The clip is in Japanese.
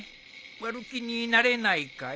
割る気になれないかい？